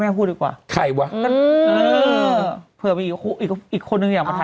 น่าลืมเผื่อมีอีกคู่อีกอีกอีกคนหนึ่งอยากมาอ๋อ